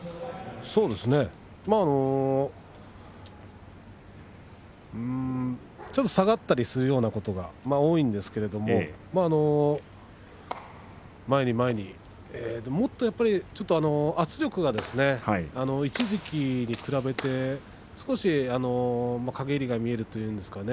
そうですねちょっと下がったりするようなことが多いんですけれども前に前に、もっと前に圧力が一時期に比べて少し陰りが見えるというんですかね